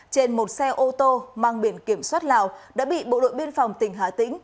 trên một xe ô tô mang biển kiểm soát lào đã bị bộ đội biên phòng tỉnh hà tĩnh